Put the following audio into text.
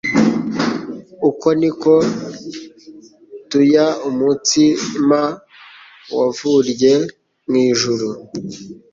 Uko niko ktuya umutsima wavtrye mu ijuru.